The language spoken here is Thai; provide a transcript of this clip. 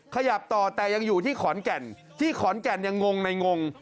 ขยับต่อแต่ยังอยู่ที่ขอนแก่เนี่ยงงในงง